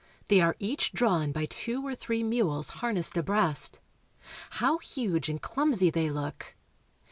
They are each drawn by two or three mules harnessed abreast. How huge and clumsy they look!